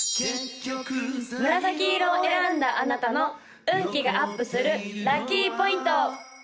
紫色を選んだあなたの運気がアップするラッキーポイント！